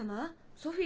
・ソフィー！